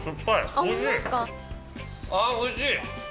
あおいしい。